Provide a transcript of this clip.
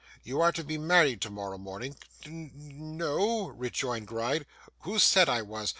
You are to be married tomorrow morning.' 'N n no,' rejoined Gride. 'Who said I was?